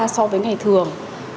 so với ngày thường